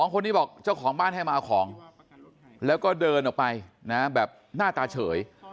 คนนี้บอกเจ้าของบ้านให้มาเอาของแล้วก็เดินออกไปนะแบบหน้าตาเฉย